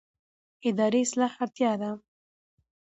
اداري اصلاح اړتیا ده